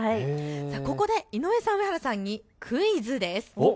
ここで井上さん、上原さんにクイズです。